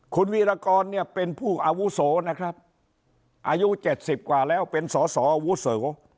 คุณวีรกรเนี่ยเป็นผู้อาวุโสนะครับอายุ๗๐กว่าแล้วเป็นสอสออาวุโส